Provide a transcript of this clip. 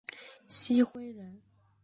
郗恢人。